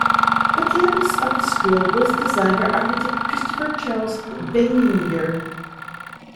The campus of the school was designed by architect Christopher Charles Benninger.